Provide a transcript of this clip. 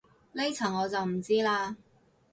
呢層我就唔知嘞